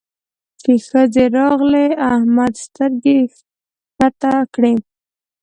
چې ښځې راغلې؛ احمد سترګې کښته کړې.